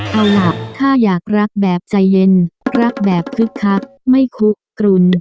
เอาล่ะถ้าอยากรักแบบใจเย็นรักแบบคึกคักไม่คุกกลุน